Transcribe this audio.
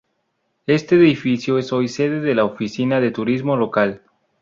Este edificio es hoy sede de la Oficina de Turismo local.